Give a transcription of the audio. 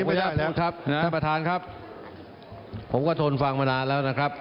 ผมรู้จักกันท่ามาร่างเลยนะครับ